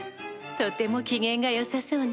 とても機嫌が良さそうね